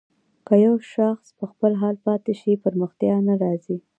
که يو شاخص په خپل حال پاتې شي پرمختيا نه راځي.